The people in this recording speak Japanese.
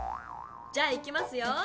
じゃあいきますよ。